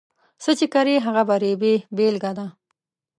څه چې کرې، هغه به رېبې بېلګه ده.